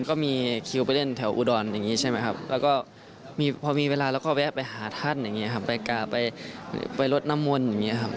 ก็มีคิวไปเล่นแถวอุดรพอมีเวลาเราก็แวะไปหาท่านไปรถน้ำมนต์อย่างนี้